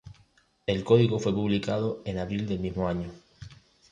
El código fue publicado en abril del mismo año.